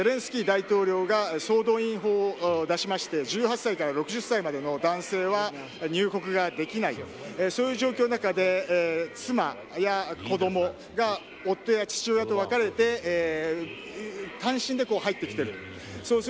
先週もお伝えしましたがゼレンスキー大統領が総動員法を出しまして１８歳から６０歳までの男性は入国ができないそういう状況の中で妻や子どもが夫や父親と別れて単身で入ってきている。